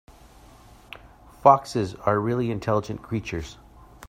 Foxes are really intelligent creatures.